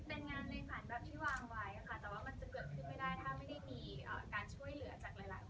เป็นงานในฝั่งแบบที่ขนมจีนวางไว้เลยไหมคะ